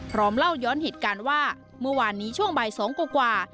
เล่าย้อนเหตุการณ์ว่าเมื่อวานนี้ช่วงบ่าย๒กว่า